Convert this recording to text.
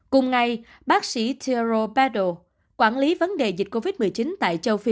cùng ngày bác sĩ thierry bédot quản lý vấn đề dịch covid một mươi chín tại châu phi